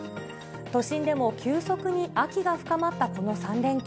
都心でも急速に秋が深まったこの３連休。